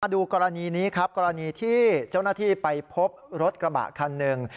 ดูกรณีนี้ครับกรณีที่เจ้าหน้าที่ไปพบรถกระบะคันหนึ่ง